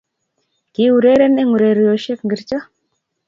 Kiiureren eng ureroshek ingircho.